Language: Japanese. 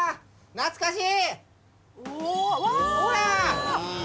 懐かしい。